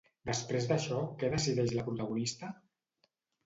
Després d'això què decideix la protagonista?